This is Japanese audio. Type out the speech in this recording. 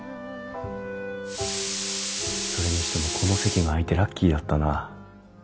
それにしてもこの席が空いてラッキーだったな。